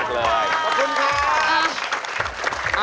ขอบคุณค่ะ